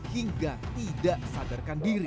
hingga tidak sadarkan diri